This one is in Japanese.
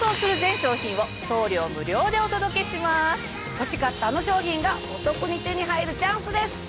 欲しかったあの商品がお得に手に入るチャンスです。